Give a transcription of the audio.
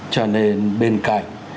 cho nên bên cạnh